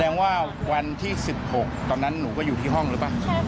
แสดงว่าวันที่๑๖ตอนนั้นหนูก็อยู่ที่ห้องหรือเปล่า